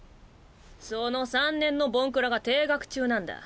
その三年のボンクラが停学中なんだ。